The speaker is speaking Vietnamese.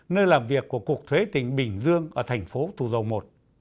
nơi làm việc của cục thuế tỉnh bình dương ở thành phố thủ dầu một